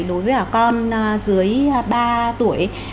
đối với con dưới ba tuổi